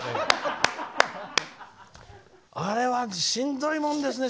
あれはしんどいもんですね。